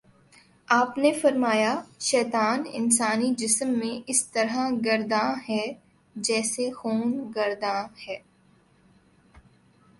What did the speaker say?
آپ نے فرمایا: شیطان انسانی جسم میں اسی طرح گرداں ہے جیسے خون گرداں ہے